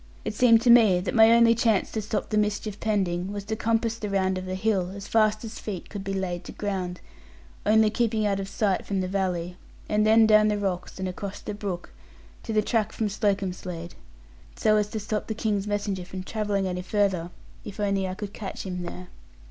It seemed to me that my only chance to stop the mischief pending was to compass the round of the hill, as fast as feet could be laid to ground; only keeping out of sight from the valley, and then down the rocks, and across the brook, to the track from Slocombslade: so as to stop the King's messenger from travelling any farther, if only I could catch him there.